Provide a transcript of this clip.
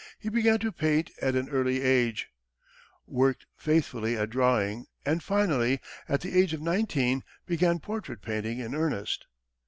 He began to paint at an early age, worked faithfully at drawing, and finally, at the age of nineteen, began portrait painting in earnest.